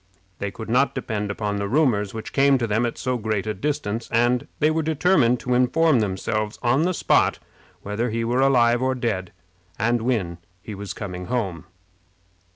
They could not depend upon the rumors which came to them at so great a distance, and they were determined to inform themselves on the spot whether he were alive or dead, and when he was coming home.